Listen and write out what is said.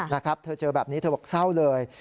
นะครับเธอเจอแบบนี้เธอบอกเศร้าเลย